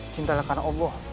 cintalah karena allah